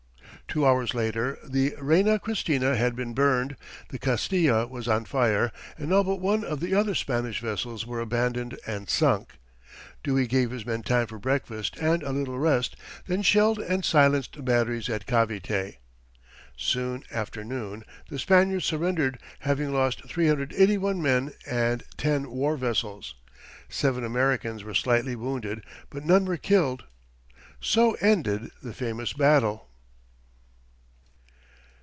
Two hours later, the Reina Cristina had been burned, the Castilla was on fire, and all but one of the other Spanish vessels were abandoned and sunk. Dewey gave his men time for breakfast and a little rest, then shelled and silenced the batteries at Cavite. Soon after noon the Spaniards surrendered, having lost 381 men and ten war vessels. Seven Americans were slightly wounded, but none were killed. So ended this famous battle.